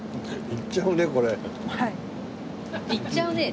「いっちゃうね」